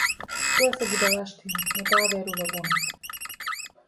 Тоа се будалштини, но таа верува во нив.